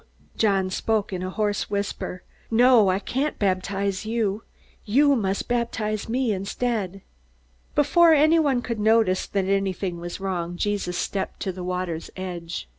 John spoke in a hoarse whisper. "No! I can't baptize you. You must baptize me instead!" Before anyone could notice that anything was wrong, Jesus stepped to the water's edge.